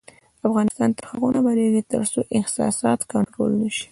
افغانستان تر هغو نه ابادیږي، ترڅو احساسات کنټرول نشي.